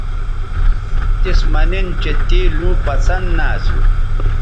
تِس مہ نن چہء تے لوں پسند نہ اسو